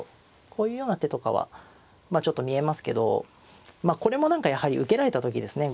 こういうような手とかはまあちょっと見えますけどこれも何かやはり受けられた時ですね